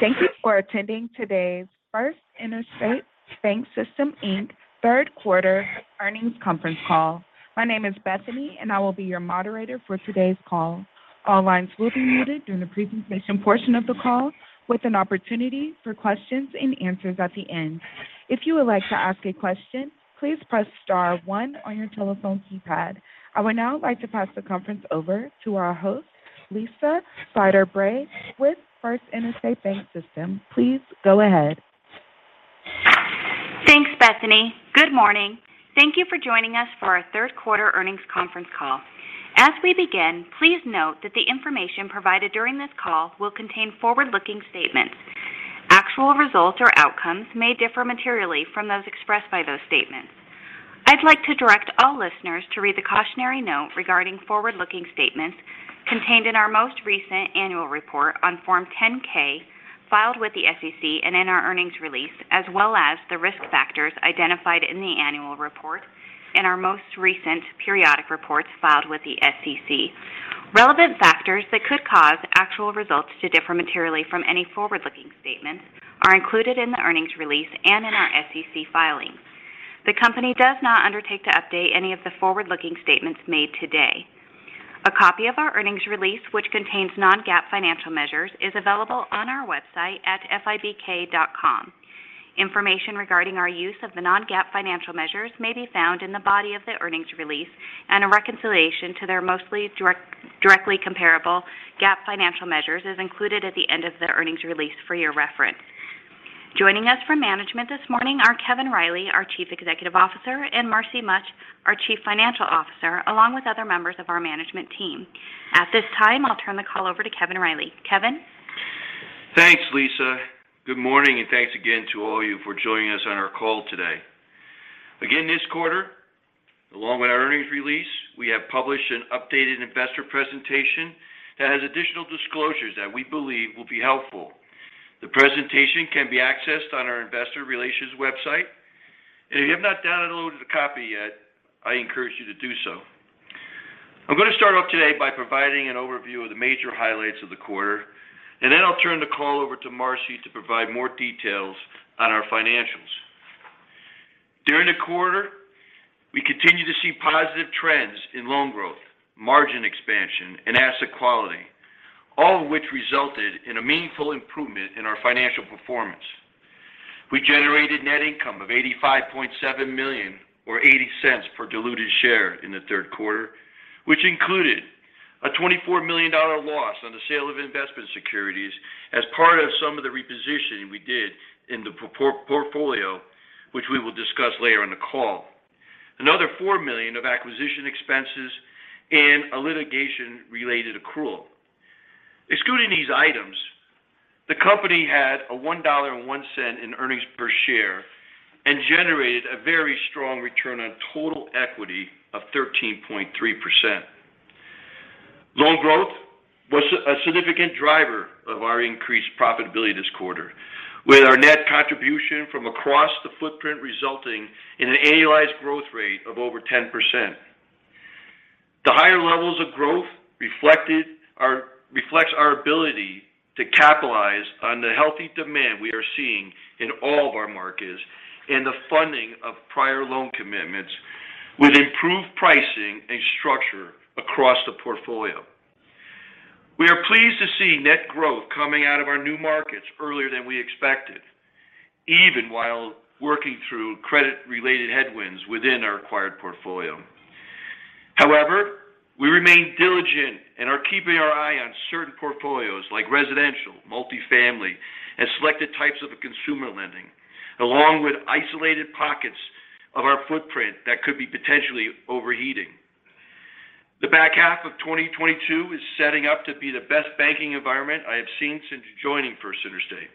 Thank you for attending today's First Interstate BancSystem, Inc. third quarter earnings conference call. My name is Bethany, and I will be your moderator for today's call. All lines will be muted during the presentation portion of the call with an opportunity for questions and answers at the end. If you would like to ask a question, please press star one on your telephone keypad. I would now like to pass the conference over to our host, Lisa Slyter-Bray with First Interstate BancSystem. Please go ahead. Thanks, Bethany. Good morning. Thank you for joining us for our third quarter earnings conference call. As we begin, please note that the information provided during this call will contain forward-looking statements. Actual results or outcomes may differ materially from those expressed by those statements. I'd like to direct all listeners to read the cautionary note regarding forward-looking statements contained in our most recent annual report on Form 10-K filed with the SEC and in our earnings release, as well as the risk factors identified in the annual report in our most recent periodic reports filed with the SEC. Relevant factors that could cause actual results to differ materially from any forward-looking statements are included in the earnings release and in our SEC filings. The company does not undertake to update any of the forward-looking statements made today. A copy of our earnings release, which contains non-GAAP financial measures, is available on our website at fibk.com. Information regarding our use of the non-GAAP financial measures may be found in the body of the earnings release and a reconciliation to their mostly directly comparable GAAP financial measures is included at the end of the earnings release for your reference. Joining us from management this morning are Kevin Riley, our Chief Executive Officer, and Marcy Mutch, our Chief Financial Officer, along with other members of our management team. At this time, I'll turn the call over to Kevin Riley. Kevin. Thanks, Lisa. Good morning, and thanks again to all of you for joining us on our call today. Again, this quarter, along with our earnings release, we have published an updated investor presentation that has additional disclosures that we believe will be helpful. The presentation can be accessed on our investor relations website. If you have not downloaded a copy yet, I encourage you to do so. I'm going to start off today by providing an overview of the major highlights of the quarter, and then I'll turn the call over to Marcy to provide more details on our financials. During the quarter, we continued to see positive trends in loan growth, margin expansion and asset quality, all of which resulted in a meaningful improvement in our financial performance. We generated net income of $85.7 million or $0.80 per diluted share in the third quarter, which included a $24 million loss on the sale of investment securities as part of some of the repositioning we did in the portfolio, which we will discuss later in the call. Another $4 million of acquisition expenses and a litigation-related accrual. Excluding these items, the company had $1.01 in earnings per share and generated a very strong return on total equity of 13.3%. Loan growth was a significant driver of our increased profitability this quarter, with our net contribution from across the footprint resulting in an annualized growth rate of over 10%. The higher level of growth reflects our ability to capitalize on the healthy demand we are seeing in all of our markets and the funding of prior loan commitments with improved pricing and structure across the portfolio. We are pleased to see net growth coming out of our new markets earlier than we expected, even while working through credit-related headwinds within our acquired portfolio. However, we remain diligent and are keeping our eye on certain portfolios like residential, multifamily, and selected types of consumer lending, along with isolated pockets of our footprint that could be potentially overheating. The back half of 2022 is setting up to be the best banking environment I have seen since joining First Interstate.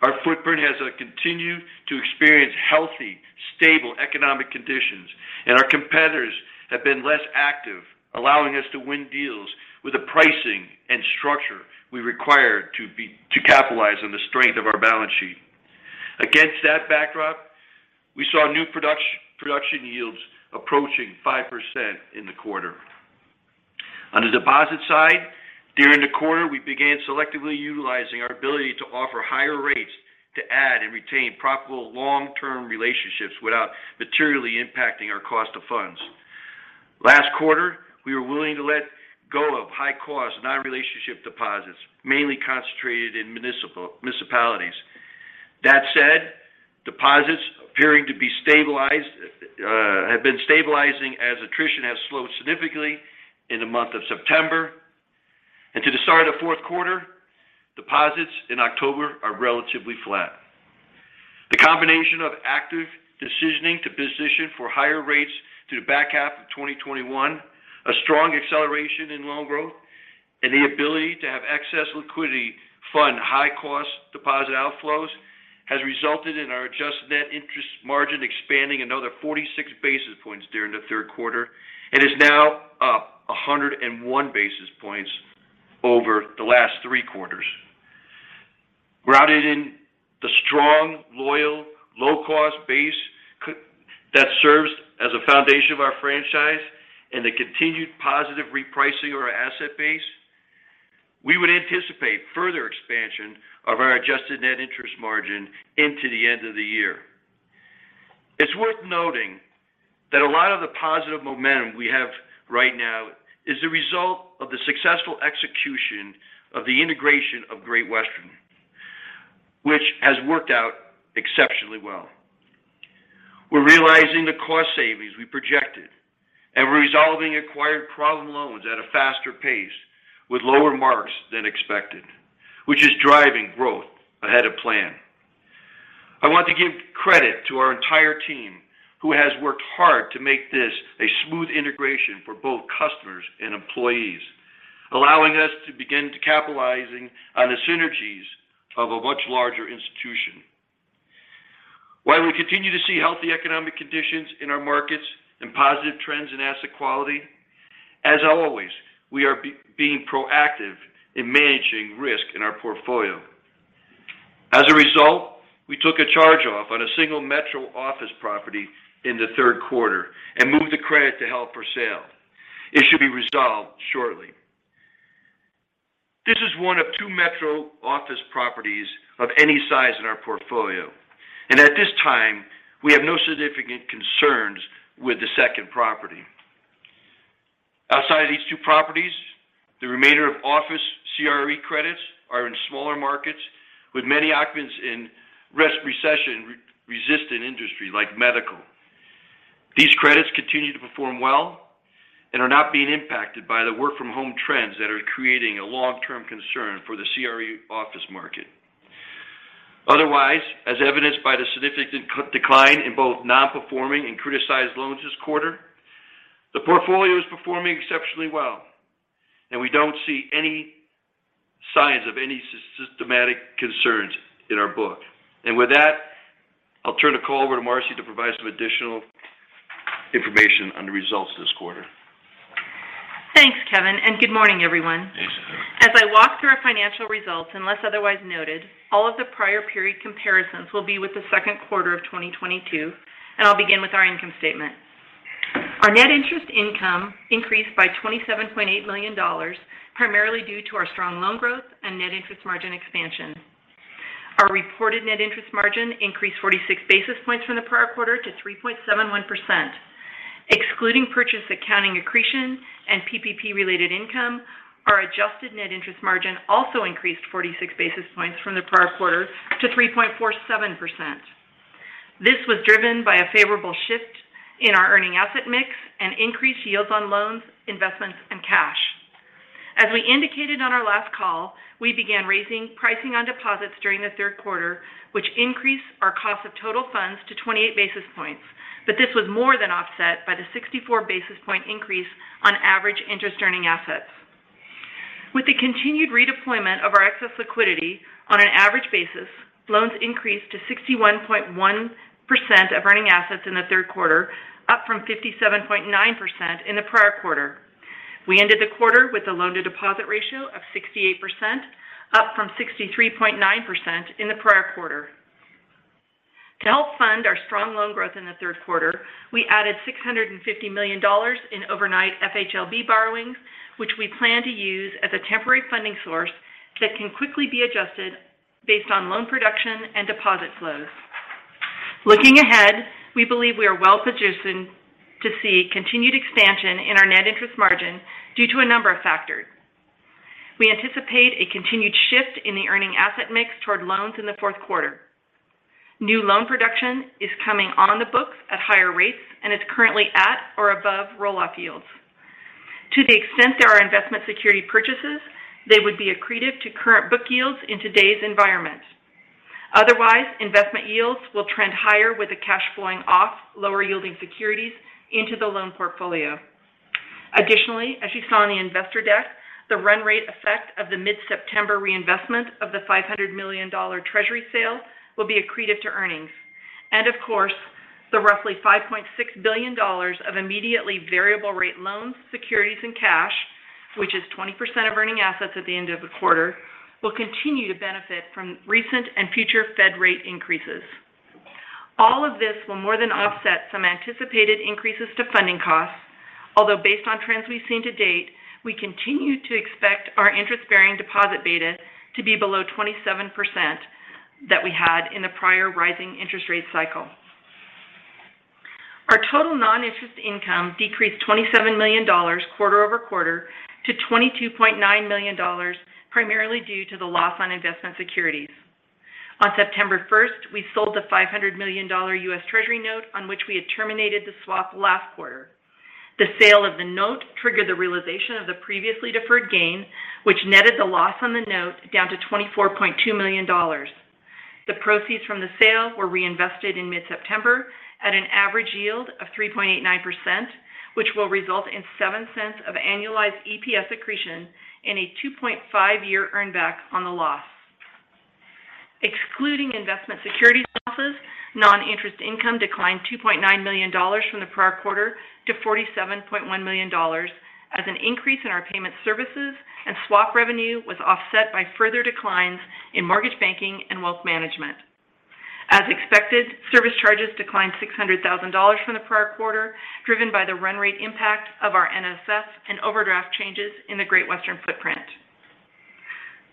Our footprint has continued to experience healthy, stable economic conditions, and our competitors have been less active, allowing us to win deals with the pricing and structure we require to capitalize on the strength of our balance sheet. Against that backdrop, we saw new production yields approaching 5% in the quarter. On the deposit side, during the quarter, we began selectively utilizing our ability to offer higher rates to add and retain profitable long-term relationships without materially impacting our cost of funds. Last quarter, we were willing to let go of high-cost, non-relationship deposits, mainly concentrated in municipalities. That said, deposits have been stabilizing as attrition has slowed significantly in the month of September. To the start of fourth quarter, deposits in October are relatively flat. The combination of active decisioning to position for higher rates through the back half of 2021, a strong acceleration in loan growth, and the ability to have excess liquidity fund high cost deposit outflows has resulted in our adjusted net interest margin expanding another 46 basis points during the third quarter and is now up 101 basis points over the last three quarters, grounded in loyal, low-cost base that serves as a foundation of our franchise and the continued positive repricing of our asset base. We would anticipate further expansion of our adjusted net interest margin into the end of the year. It's worth noting that a lot of the positive momentum we have right now is the result of the successful execution of the integration of Great Western, which has worked out exceptionally well. We're realizing the cost savings we projected and resolving acquired problem loans at a faster pace with lower marks than expected, which is driving growth ahead of plan. I want to give credit to our entire team who has worked hard to make this a smooth integration for both customers and employees. Allowing us to begin to capitalize on the synergies of a much larger institution. While we continue to see healthy economic conditions in our markets and positive trends in asset quality, as always, we are being proactive in managing risk in our portfolio. As a result, we took a charge-off on a single metro office property in the third quarter and moved the credit to held for sale. It should be resolved shortly. This is one of two metro office properties of any size in our portfolio, and at this time, we have no significant concerns with the second property. Outside of these two properties, the remainder of office CRE credits are in smaller markets with many occupants in recession-resistant industry like medical. These credits continue to perform well and are not being impacted by the work from home trends that are creating a long-term concern for the CRE office market. Otherwise, as evidenced by the significant decline in both non-performing and criticized loans this quarter, the portfolio is performing exceptionally well, and we don't see any signs of any systematic concerns in our book. With that, I'll turn the call over to Marcy to provide some additional information on the results this quarter. Thanks, Kevin, and good morning, everyone. Hey. As I walk through our financial results, unless otherwise noted, all of the prior period comparisons will be with the second quarter of 2022, and I'll begin with our income statement. Our net interest income increased by $27.8 million, primarily due to our strong loan growth and net interest margin expansion. Our reported net interest margin increased 46 basis points from the prior quarter to 3.71%. Excluding purchase accounting accretion and PPP related income, our adjusted net interest margin also increased 46 basis points from the prior quarter to 3.47%. This was driven by a favorable shift in our earning asset mix and increased yields on loans, investments, and cash. As we indicated on our last call, we began raising pricing on deposits during the third quarter, which increased our cost of total funds to 28 basis points. This was more than offset by the 64-basis point increase on average interest earning assets. With the continued redeployment of our excess liquidity on an average basis, loans increased to 61.1% of earning assets in the third quarter, up from 57.9% in the prior quarter. We ended the quarter with a loan to deposit ratio of 68%, up from 63.9% in the prior quarter. To help fund our strong loan growth in the third quarter, we added $650 million in overnight FHLB borrowings, which we plan to use as a temporary funding source that can quickly be adjusted based on loan production and deposit flows. Looking ahead, we believe we are well-positioned to see continued expansion in our net interest margin due to a number of factors. We anticipate a continued shift in the earning asset mix toward loans in the fourth quarter. New loan production is coming on the books at higher rates and is currently at or above roll-off yields. To the extent there are investment security purchases, they would be accretive to current book yields in today's environment. Otherwise, investment yields will trend higher with the cash flowing off lower yielding securities into the loan portfolio. Additionally, as you saw in the investor deck, the run rate effect of the mid-September reinvestment of the $500 million treasury sale will be accretive to earnings. Of course, the roughly $5.6 billion of immediately variable rate loans, securities and cash, which is 20% of earning assets at the end of the quarter, will continue to benefit from recent and future Fed rate increases. All of this will more than offset some anticipated increases to funding costs. Although based on trends we've seen to date, we continue to expect our interest-bearing deposit beta to be below 27% that we had in the prior rising interest rate cycle. Our total non-interest income decreased $27 million quarter over quarter to $22.9 million, primarily due to the loss on investment securities. On September first, we sold the $500 million U.S. Treasury note on which we had terminated the swap last quarter. The sale of the note triggered the realization of the previously deferred gain, which netted the loss on the note down to $24.2 million. The proceeds from the sale were reinvested in mid-September at an average yield of 3.89%, which will result in $0.07 of annualized EPS accretion and a 2.5-year earn back on the loss. Excluding investment securities losses, non-interest income declined $2.9 million from the prior quarter to $47.1 million as an increase in our payment services and swap revenue was offset by further declines in mortgage banking and wealth management. As expected, service charges declined $600,000 from the prior quarter, driven by the run rate impact of our NSF and overdraft changes in the Great Western footprint.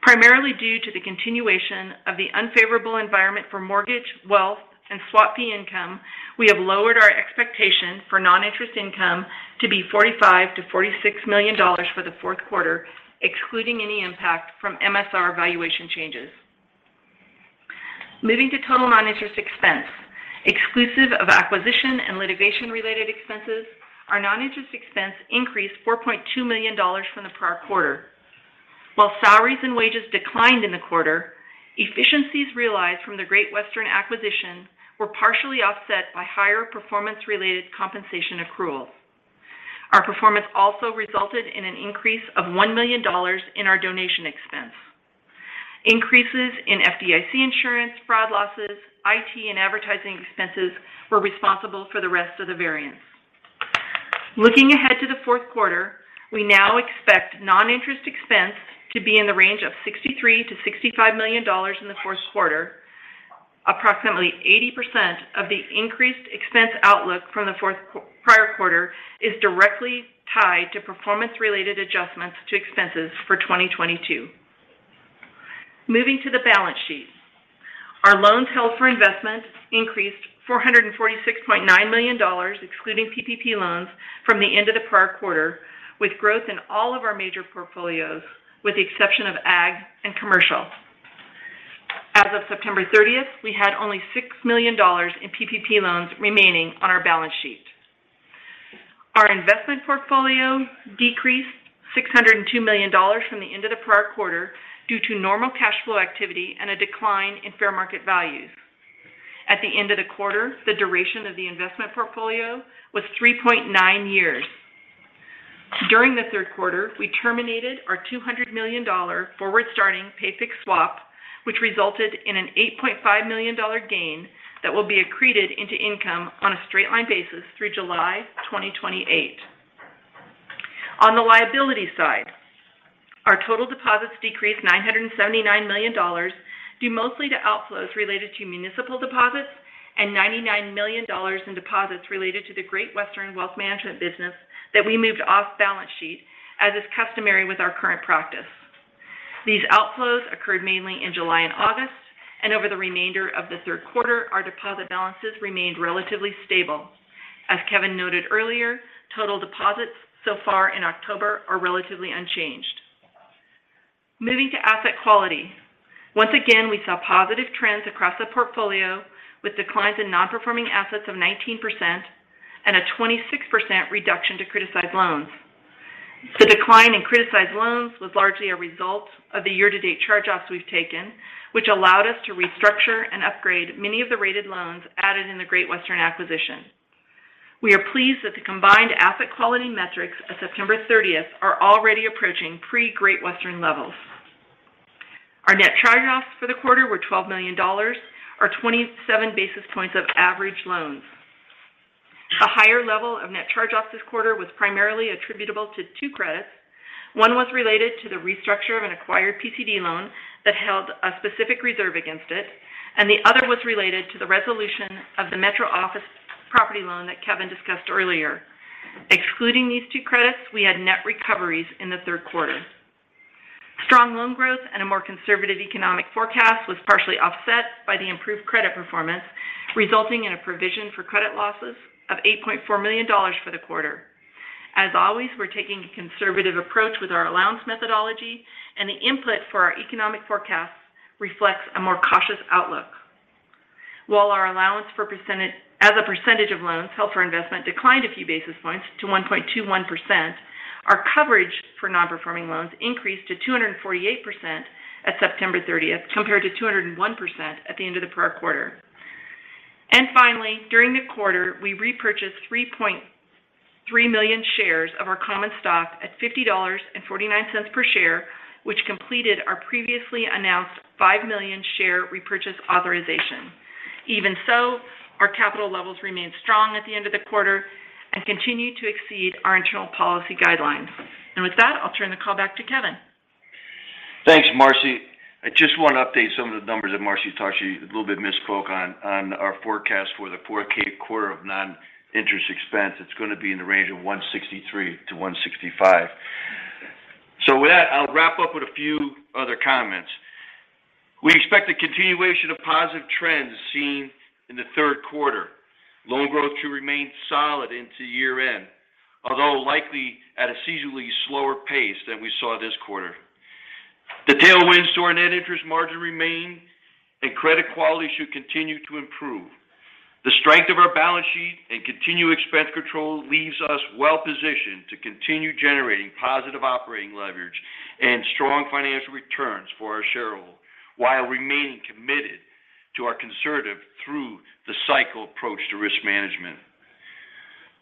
Primarily due to the continuation of the unfavorable environment for mortgage, wealth, and swap fee income, we have lowered our expectation for non-interest income to be $45 million-$46 million for the fourth quarter, excluding any impact from MSR valuation changes. Moving to total non-interest expense. Exclusive of acquisition and litigation-related expenses, our non-interest expense increased $4.2 million from the prior quarter. While salaries and wages declined in the quarter, efficiencies realized from the Great Western acquisition were partially offset by higher performance-related compensation accruals. Our performance also resulted in an increase of $1 million in our donation expense. Increases in FDIC insurance, fraud losses, IT, and advertising expenses were responsible for the rest of the variance. Looking ahead to the fourth quarter, we now expect non-interest expense to be in the range of $63 million-$65 million in the fourth quarter. Approximately 80% of the increased expense outlook from the prior quarter is directly tied to performance-related adjustments to expenses for 2022. Moving to the balance sheet. Our loans held for investment increased $446.9 million, excluding PPP loans from the end of the prior quarter, with growth in all of our major portfolios, with the exception of ag and commercial. As of September 30th, we had only $6 million in PPP loans remaining on our balance sheet. Our investment portfolio decreased $602 million from the end of the prior quarter due to normal cash flow activity and a decline in fair market values. At the end of the quarter, the duration of the investment portfolio was 3.9 years. During the third quarter, we terminated our $200 million forward-starting pay-fixed swap, which resulted in an $8.5 million gain that will be accreted into income on a straight-line basis through July 2028. On the liability side, our total deposits decreased $979 million due mostly to outflows related to municipal deposits and $99 million in deposits related to the Great Western wealth management business that we moved off balance sheet, as is customary with our current practice. These outflows occurred mainly in July and August, and over the remainder of the third quarter, our deposit balances remained relatively stable. As Kevin noted earlier, total deposits so far in October are relatively unchanged. Moving to asset quality. Once again, we saw positive trends across the portfolio, with declines in non-performing assets of 19% and a 26% reduction to criticized loans. The decline in criticized loans was largely a result of the year-to-date charge-offs we've taken, which allowed us to restructure and upgrade many of the rated loans added in the Great Western acquisition. We are pleased that the combined asset quality metrics at September 30th are already approaching pre-Great Western levels. Our net charge-offs for the quarter were $12 million or 27 basis points of average loans. A higher level of net charge-offs this quarter was primarily attributable to two credits. One was related to the restructure of an acquired PCD loan that held a specific reserve against it, and the other was related to the resolution of the Metro Office property loan that Kevin discussed earlier. Excluding these two credits, we had net recoveries in the third quarter. Strong loan growth and a more conservative economic forecast was partially offset by the improved credit performance, resulting in a provision for credit losses of $8.4 million for the quarter. As always, we're taking a conservative approach with our allowance methodology, and the input for our economic forecast reflects a more cautious outlook. While our allowance as a percentage of loans held for investment declined a few basis points to 1.21%, our coverage for non-performing loans increased to 248% at September 30th, compared to 201% at the end of the prior quarter. Finally, during the quarter, we repurchased 3.3 million shares of our common stock at $50.49 per share, which completed our previously announced 5 million shares repurchase authorization. Even so, our capital levels remained strong at the end of the quarter and continue to exceed our internal policy guidelines. With that, I'll turn the call back to Kevin. Thanks, Marcy. I just want to update some of the numbers that Marcy talked to you a little bit misspoke on our forecast for the fourth quarter of non-interest expense. It's going to be in the range of $163-$165. With that, I'll wrap up with a few other comments. We expect a continuation of positive trends seen in the third quarter. Loan growth should remain solid into year-end, although likely at a seasonally slower pace than we saw this quarter. The tailwinds to our net interest margin remain, and credit quality should continue to improve. The strength of our balance sheet and continued expense control leaves us well positioned to continue generating positive operating leverage and strong financial returns for our shareholders while remaining committed to our conservative through the cycle approach to risk management.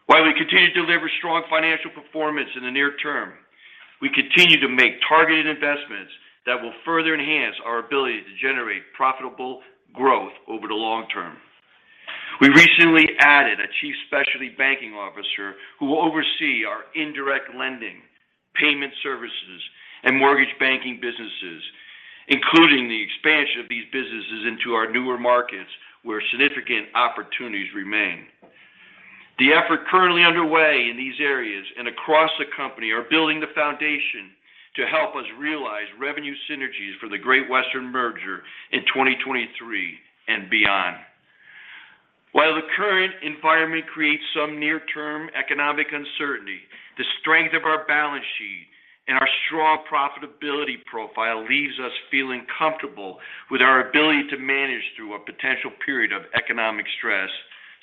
While we continue to deliver strong financial performance in the near term, we continue to make targeted investments that will further enhance our ability to generate profitable growth over the long term. We recently added a chief specialty banking officer who will oversee our indirect lending, payment services, and mortgage banking businesses, including the expansion of these businesses into our newer markets where significant opportunities remain. The effort currently underway in these areas and across the company are building the foundation to help us realize revenue synergies for the Great Western merger in 2023 and beyond. While the current environment creates some near-term economic uncertainty, the strength of our balance sheet and our strong profitability profile leaves us feeling comfortable with our ability to manage through a potential period of economic stress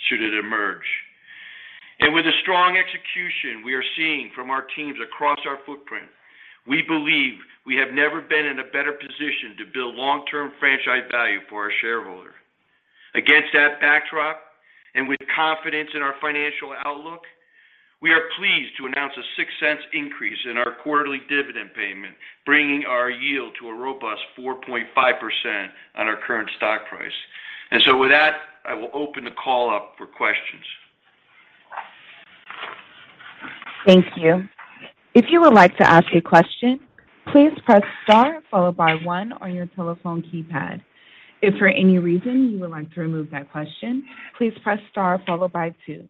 should it emerge. With the strong execution we are seeing from our teams across our footprint, we believe we have never been in a better position to build long-term franchise value for our shareholder. Against that backdrop, and with confidence in our financial outlook, we are pleased to announce a $0.06 increase in our quarterly dividend payment, bringing our yield to a robust 4.5% on our current stock price. With that, I will open the call up for questions. Thank you. If you would like to ask a question, please press star followed by one on your telephone keypad. If for any reason you would like to remove that question, please press star followed by two.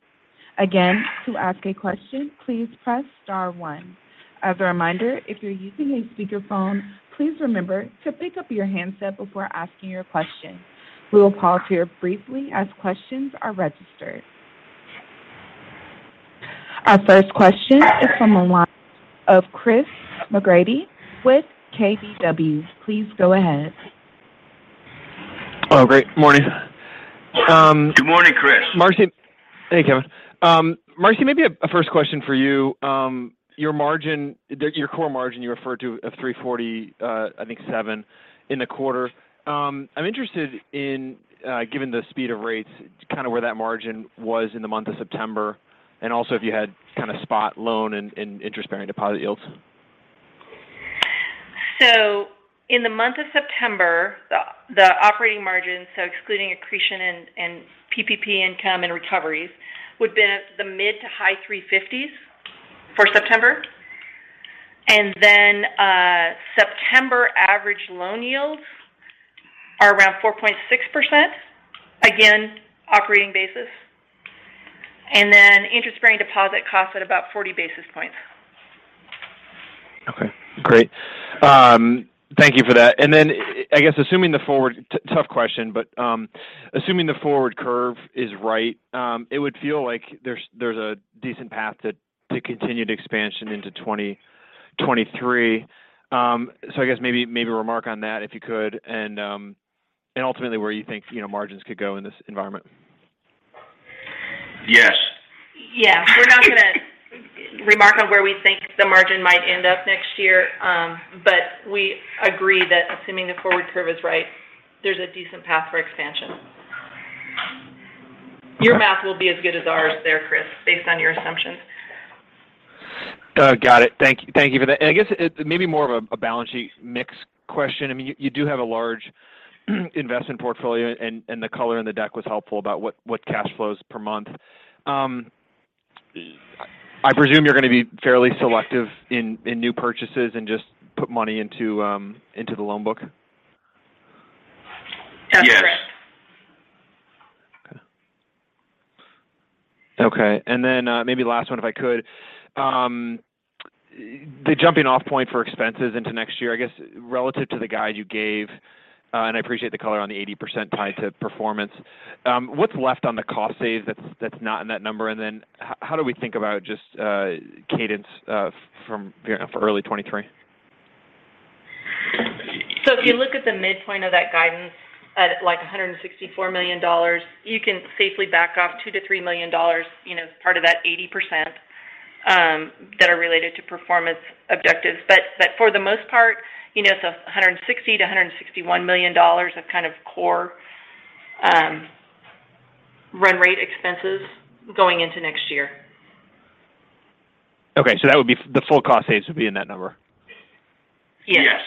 Again, to ask a question, please press star one. As a reminder, if you're using a speakerphone, please remember to pick up your handset before asking your question. We will pause here briefly as questions are registered. Our first question is from the line of Chris McGratty with KBW. Please go ahead. Oh, great. Morning. Good morning, Chris. Marcy, hey, Kevin. Marcy, maybe a first question for you. Your margin, your core margin you referred to of 3.47% in the quarter. I'm interested in, given the speed of rates, kind of where that margin was in the month of September, and also if you had kind of spot loan and interest-bearing deposit yields. In the month of September, the operating margin, so excluding accretion and PPP income and recoveries, would have been at the mid to high 350s for September. September average loan yields are around 4.6%. Again, operating basis. Interest-bearing deposit costs at about 40 basis points. Okay, great. Thank you for that. I guess tough question, but assuming the forward curve is right, it would feel like there's a decent path to continue the expansion into 2023. I guess maybe remark on that if you could, and ultimately where you think, you know, margins could go in this environment. Yes. Yeah. We're not gonna remark on where we think the margin might end up next year. We agree that assuming the forward curve is right, there's a decent path for expansion. Okay. Your math will be as good as ours there, Chris, based on your assumptions. Got it. Thank you for that. I guess it may be more of a balance sheet mix question. I mean, you do have a large investment portfolio, and the color in the deck was helpful about what cash flows per month. I presume you're gonna be fairly selective in new purchases and just put money into the loan book. Yes. Yes. Okay. Maybe last one, if I could. The jumping off point for expenses into next year, I guess, relative to the guide you gave, and I appreciate the color on the 80% tied to performance. What's left on the cost save that's not in that number? How do we think about just cadence from, you know, for early 2023? If you look at the midpoint of that guidance at, like, $164 million you can safely back off $2-$3 million, you know, as part of that 80%, that are related to performance objectives. But for the most part, you know, it's $160-$161 million of kind of core run rate expenses going into next year. That would be the full cost savings would be in that number. Yes. Yes.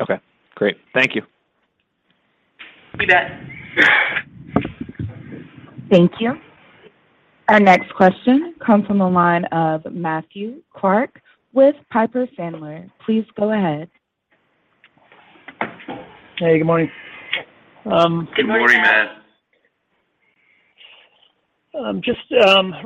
Okay, great. Thank you. You bet. Thank you. Our next question comes from the line of Matthew Clark with Piper Sandler. Please go ahead. Hey, good morning. Good morning, Matt. Good morning. Just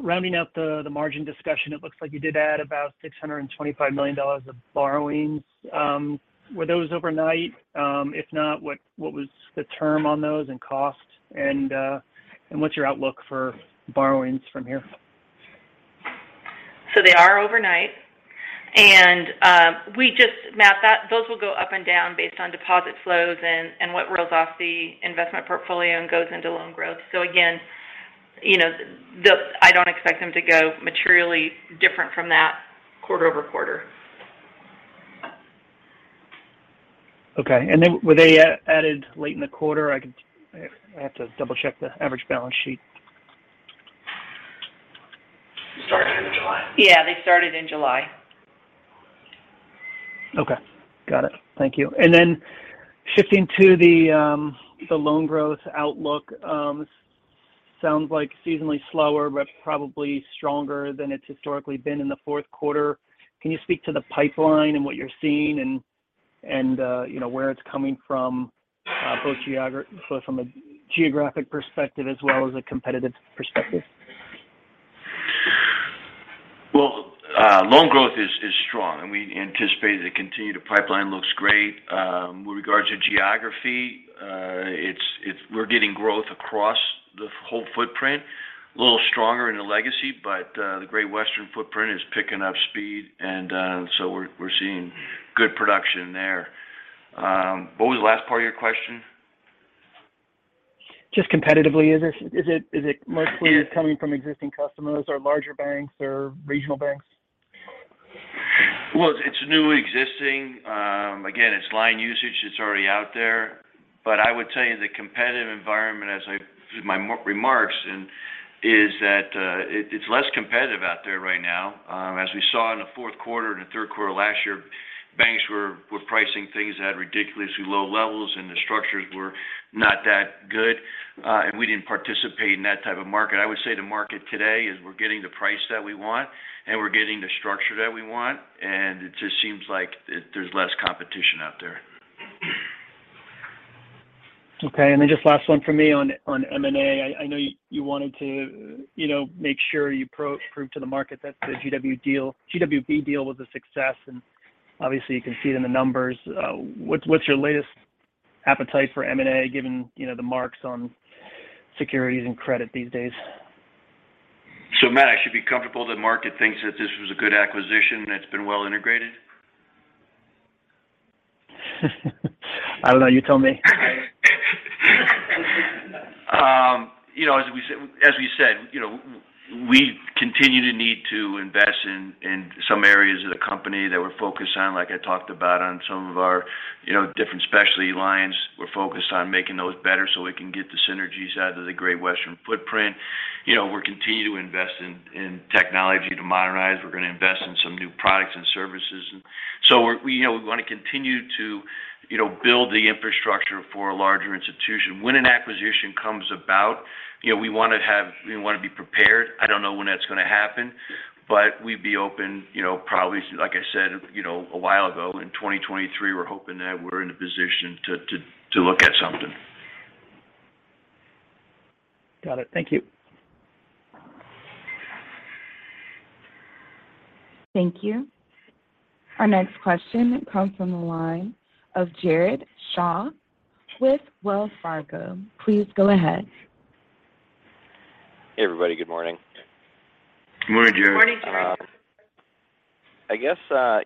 rounding out the margin discussion. It looks like you did add about $625 million of borrowings. Were those overnight? If not, what was the term on those and costs? What's your outlook for borrowings from here? They are overnight. Matt, those will go up and down based on deposit flows and what rolls off the investment portfolio and goes into loan growth. Again, you know, I don't expect them to go materially different from that quarter-over-quarter. Okay. Were they added late in the quarter? I have to double-check the average balance sheet. Started end of July. Yeah, they started in July. Okay. Got it. Thank you, shifting to the loan growth outlook, sounds like seasonally slower but probably stronger than it's historically been in the fourth quarter. Can you speak to the pipeline and what you're seeing, and you know where it's coming from, so from a geographic perspective as well as a competitive perspective? Well, loan growth is strong, and we anticipate it to continue. The pipeline looks great. With regards to geography, we're getting growth across the whole footprint. A little stronger in the legacy, but the Great Western footprint is picking up speed. We're seeing good production there. What was the last part of your question? Just competitively, is it mostly coming from existing customers or larger banks or regional banks? Well, it's new existing. Again, it's line usage It's already out there. I would tell you the competitive environment is that it's less competitive out there right now. As we saw in the fourth quarter and the third quarter last year, banks were pricing things at ridiculously low levels, and the structures were not that good. We didn't participate in that type of market. I would say the market today is we're getting the price that we want, and we're getting the structure that we want. It just seems like there's less competition out there. Okay. Just last one from me on M&A. I know you wanted to, you know, make sure you prove to the market that the GWB deal was a success, and obviously you can see it in the numbers. What's your latest appetite for M&A given, you know, the marks on securities and credit these days? Matthew, I should be comfortable the market thinks that this was a good acquisition, and it's been well integrated? I don't know. You tell me. You know, as we said, you know, we continue to need to invest in some areas of the company that we're focused on, like I talked about on some of our, you know, different specialty lines. We're focused on making those better so we can get the synergies out of the Great Western footprint. You know, we continue to invest in technology to modernize. We're gonna invest in some new products and services. We, you know, we want to continue to, you know, build the infrastructure for a larger institution. When an acquisition comes about, you know, we want to be prepared. I don't know when that's gonna happen. We'd be open, you know, probably, like I said, you know, a while ago, in 2023, we're hoping that we're in a position to look at something. Got it. Thank you. Thank you. Our next question comes from the line of Jared Shaw with Wells Fargo. Please go ahead. Hey, everybody. Good morning. Good morning, Jared. Morning, Jared. I guess,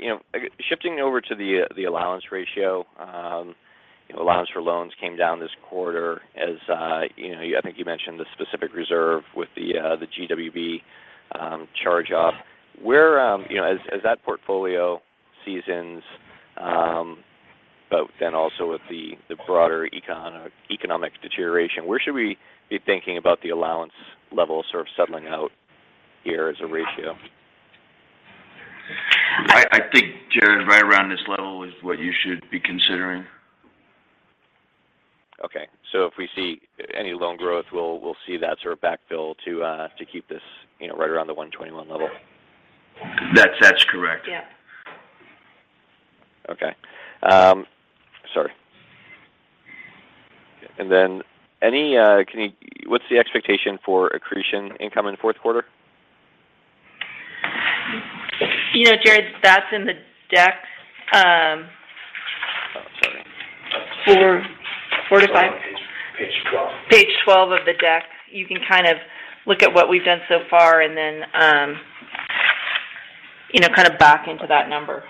you know, I guess shifting over to the allowance ratio, you know, allowance for loans came down this quarter as, you know, I think you mentioned the specific reserve with the GWB charge-off. Where, you know, as that portfolio seasons, both then also with the broader economic deterioration, where should we be thinking about the allowance level sort of settling out here as a ratio? I think, Jared, right around this level is what you should be considering. Okay. If we see any loan growth, we'll see that sort of backfill to keep this, you know, right around the 121 level? That's correct. Yeah. Sorry. What's the expectation for accretion income in the fourth quarter? You know, Jared, that's in the deck. Oh, sorry. four to five It's on page 12. Page 12 of the deck. You can kind of look at what we've done so far and then, you know, kind of back into that number.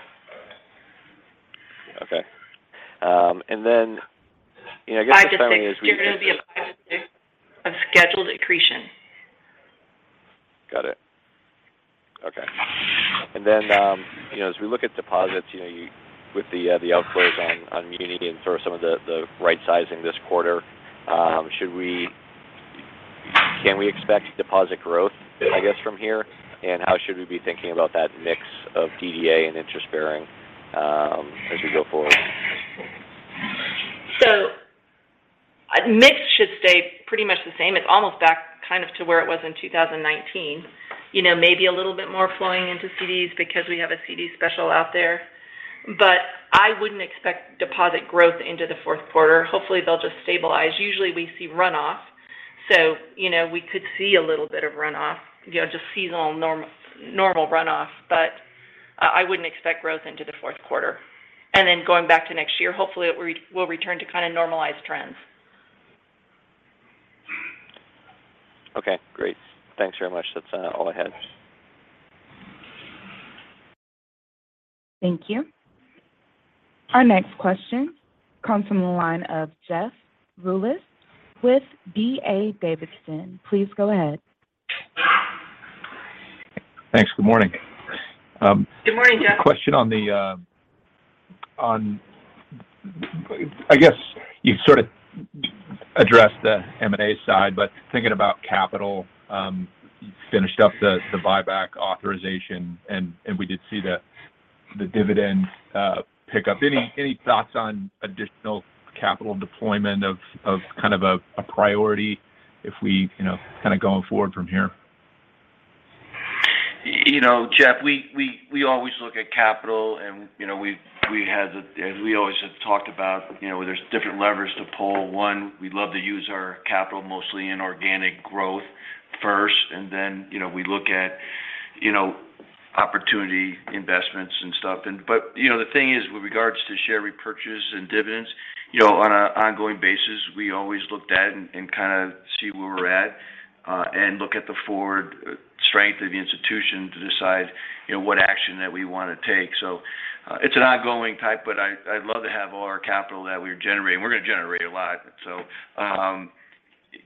Okay. You know, I guess the timing is. five to six. Jared, it'll be a five to six of scheduled accretion. Got it. Okay. You know, as we look at deposits, you know, with the outflows on muni and sort of some of the right sizing this quarter, can we expect deposit growth, I guess, from here? How should we be thinking about that mix of DDA and interest bearing as we go forward? Mix should stay pretty much the same. It's almost back kind of to where it was in 2019. You know, maybe a little bit more flowing into CDs because we have a CD special out there. But I wouldn't expect deposit growth into the fourth quarter. Hopefully, they'll just stabilize. Usually, we see runoff, so, you know, we could see a little bit of runoff. You know, just seasonal normal runoff. But I wouldn't expect growth into the fourth quarter. Going back to next year, hopefully we'll return to kind of normalized trends. Okay. Great. Thanks very much. That's all I had. Thank you. Our next question comes from the line of Jeff Rulis with D.A. Davidson. Please go ahead. Thanks. Good morning. Good morning, Jeff. Question. I guess you've sort of addressed the M&A side, but thinking about capital, you finished up the buyback authorization, and we did see the dividend pick up. Any thoughts on additional capital deployment of kind of a priority if we, you know, kind of going forward from here? You know, Jeff, we always look at capital and, you know, as we always have talked about, you know, where there's different levers to pull. One, we'd love to use our capital mostly in organic growth first. Then, you know, we look at, you know, opportunity investments and stuff. But, you know, the thing is, with regards to share repurchases and dividends, you know, on an ongoing basis, we always looked at and kind of see where we're at and look at the forward strength of the institution to decide, you know, what action that we wanna take. It's an ongoing type, but I'd love to have all our capital that we're generating. We're gonna generate a lot.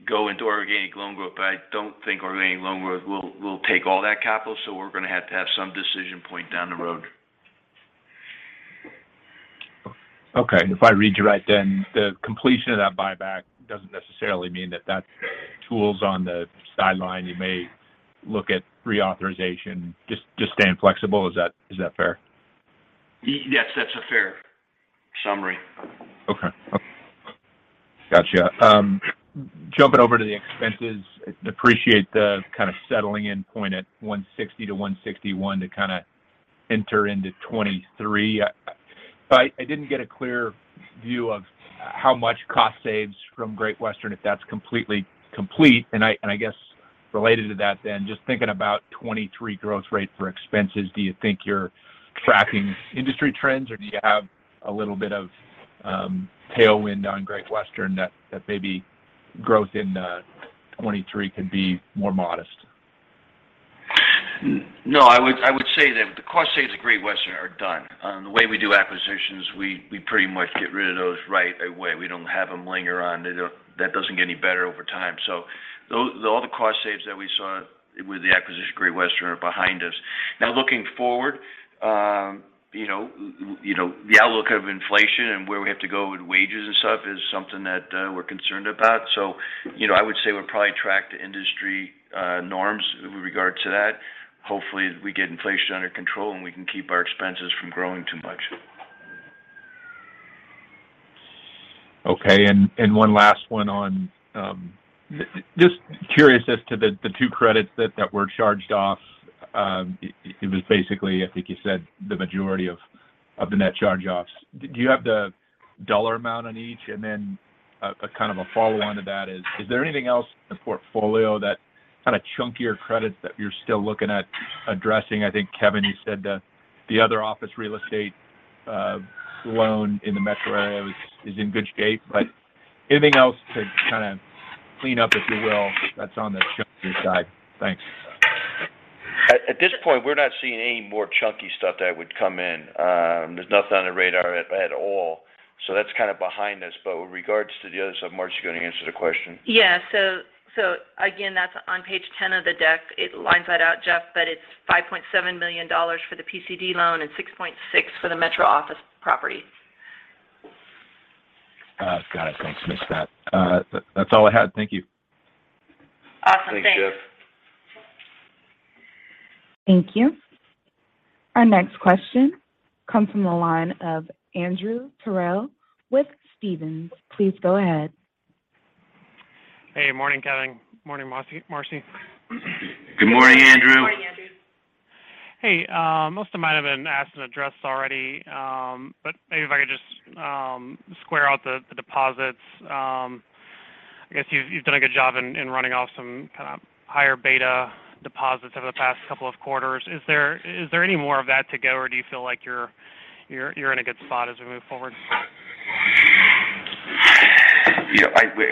Go into organic loan growth. I don't think organic loan growth will take all that capital, so we're gonna have to have some decision point down the road. Okay. If I read you right, then the completion of that buyback doesn't necessarily mean that that tool's on the sideline. You may look at reauthorization, just staying flexible. Is that fair? Yes, that's a fair summary. Okay. Gotcha. Jumping over to the expenses. Appreciate the kind of settling in point at 160-161 to kind of enter into 2023. I didn't get a clear view of how much cost savings from Great Western, if that's completely complete. I guess related to that then, just thinking about 2023 growth rate for expenses, do you think you're tracking industry trends, or do you have a little bit of tailwind on Great Western that maybe growth in 2023 could be more modest? No, I would say that the cost savings at Great Western are done. The way we do acquisitions, we pretty much get rid of those right away. We don't have them linger on. That doesn't get any better over time. All the cost savings that we saw with the acquisition of Great Western are behind us. Now, looking forward, you know, the outlook of inflation and where we have to go with wages and stuff is something that we're concerned about. You know, I would say we'll probably track the industry norms with regard to that. Hopefully, we get inflation under control, and we can keep our expenses from growing too much. Okay. One last one on, just curious as to the two credits that were charged off. It was basically, I think you said the majority of the net charge-offs. Do you have the dollar amount on each? Then a kind of follow-on to that is there anything else in the portfolio, that kind of chunkier credits that you're still looking at addressing? I think, Kevin, you said the other office real estate loan in the metro area is in good shape. Anything else to kind of clean up, if you will, that's on the chunky side? Thanks. At this point, we're not seeing any more chunky stuff that would come in. There's nothing on the radar at all. That's kind of behind us. With regards to the other stuff, Marcy, you wanna answer the question? Yeah, again, that's on page 10 of the deck. It lines that out, Jeff, but it's $5.7 million for the PCD loan and $6.6 million for the metro office property. Got it. Thanks. Missed that. That's all I had. Thank you. Awesome. Thanks. Thanks, Jeff. Thank you. Our next question comes from the line of Andrew Terrell with Stephens. Please go ahead. Hey, morning, Kevin. Morning, Marcy. Good morning, Andrew. Morning, Andrew. Hey, most of mine have been asked and addressed already, but maybe if I could just square out the deposits. I guess you've done a good job in running off some kind of higher beta deposits over the past couple of quarters. Is there any more of that to go, or do you feel like you're in a good spot as we move forward? Yeah.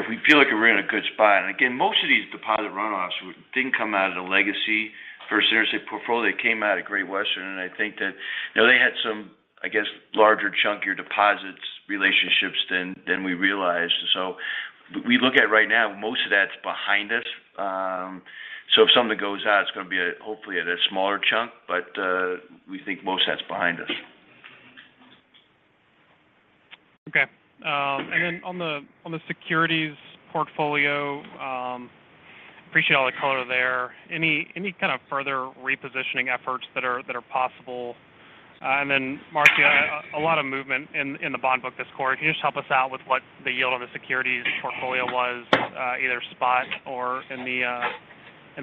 We feel like we're in a good spot. Again, most of these deposit runoffs didn't come out of the legacy First Interstate portfolio. They came out of Great Western. I think that, you know, they had some, I guess, larger chunkier deposits relationships than we realized. We look at right now, most of that's behind us. If something goes out, it's going to be hopefully at a smaller chunk. We think most of that's behind us. Okay. On the securities portfolio, appreciate all the color there. Any kind of further repositioning efforts that are possible? Marcy, a lot of movement in the bond book this quarter. Can you just help us out with what the yield of the securities portfolio was, either spot or in the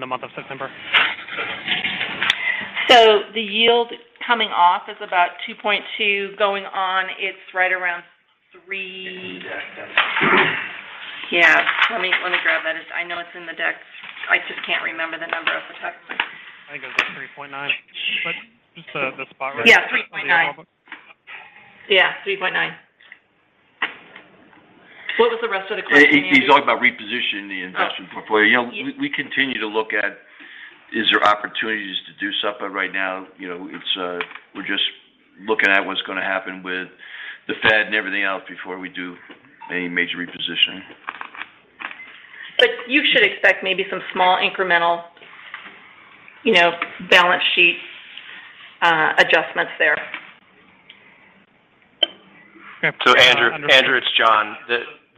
month of September? The yield coming off is about 2.2. Going on, it's right around three. It's in the deck. Yeah. Let me grab that. I know it's in the deck. I just can't remember the number off the top of my head. I think it was like 3.9. Just the spot right there. Yeah, 3.9. What was the rest of the question, Andrew? He's talking about repositioning the investment portfolio. Oh. We continue to look at is there opportunities to do stuff, but right now, you know, it's we're just looking at what's going to happen with the Fed and everything else before we do any major repositioning. You should expect maybe some small incremental, you know, balance sheet adjustments there. Andrew, it's John.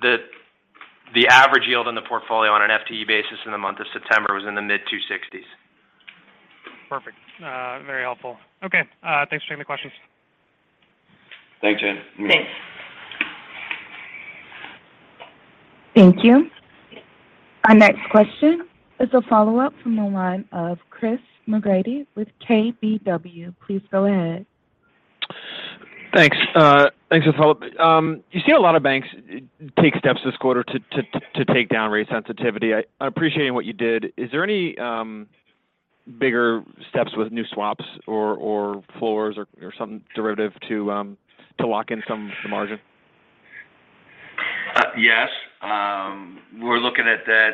The average yield on the portfolio on an FTE basis in the month of September was in the mid-260s. Perfect. Very helpful. Okay. Thanks for taking the questions. Thanks, Andrew. Thanks. Thank you. Our next question is a follow-up from the line of Chris McGratty with KBW. Please go ahead. Thanks. Thanks for the follow-up. You see a lot of banks take steps this quarter to take down rate sensitivity. I'm appreciating what you did. Is there any bigger steps with new swaps or floors or some derivative to lock in some margin? Yes. We're looking at that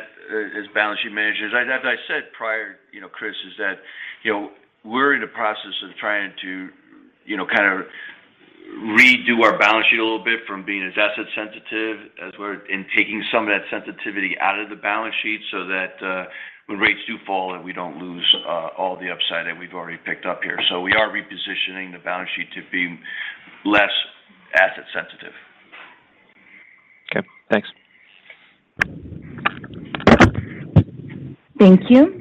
as balance sheet managers. As I said prior, you know, Chris, is that, you know, we're in the process of trying to, you know, kind of redo our balance sheet a little bit from being as asset sensitive in taking some of that sensitivity out of the balance sheet so that, when rates do fall, that we don't lose all the upside that we've already picked up here. We are repositioning the balance sheet to be less asset sensitive. Okay, thanks. Thank you.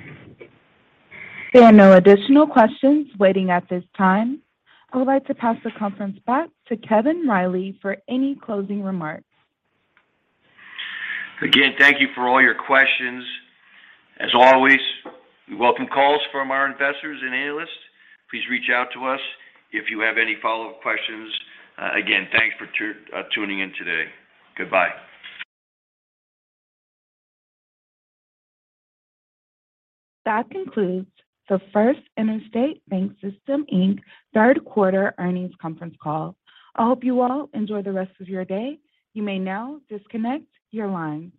There are no additional questions waiting at this time. I would like to pass the conference back to Kevin Riley for any closing remarks. Again, thank you for all your questions. As always, we welcome calls from our investors and analysts. Please reach out to us if you have any follow-up questions. Again, thanks for tuning in today. Goodbye. That concludes the First Interstate BancSystem, Inc. third quarter earnings conference call. I hope you all enjoy the rest of your day. You may now disconnect your lines.